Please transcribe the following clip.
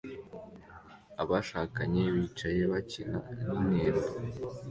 Abashakanye bicaye bakina Nintendo